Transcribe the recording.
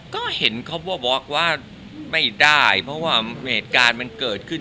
พี่ว่าอาจไปมาตำเริงการนี้ที่เมืองไผ่ได้